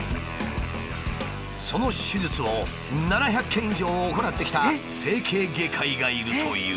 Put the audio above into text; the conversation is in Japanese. その手術を７００件以上行ってきた整形外科医がいるという。